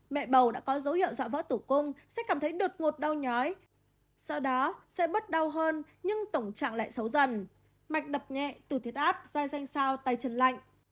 mẹ bầu đã có dấu hiệu dọa vỡ tủ cung sẽ cảm thấy đột ngột đau nhói sau đó sẽ bớt đau hơn nhưng tổng trạng lại xấu dần mạch đập nhẹ tủ thiết áp dai danh sao tay chân lạnh